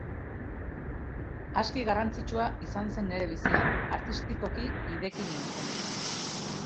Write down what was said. Aski garrantzitsua izan zen nere bizian, artistikoki ideki nintzen.